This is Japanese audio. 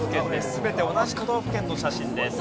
全て同じ都道府県の写真です。